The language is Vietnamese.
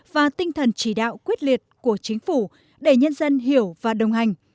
và tinh thần chỉ đạo quyết liệt của chính phủ để nhân dân hiểu và đồng hành